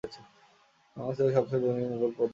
বাংলা ছিল সবচেয়ে ধনী মুঘল প্রদেশ।